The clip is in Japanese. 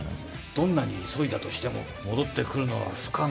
どんなに急いだとしても戻ってくるのは不可能。